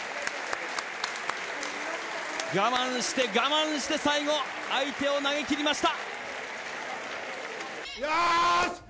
我慢して我慢して、最後、相手を投げ切りました。